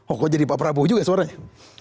oh kok jadi pak prabowo juga suaranya